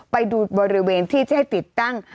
ไปดูบริเวณที่จะให้ติดตั้ง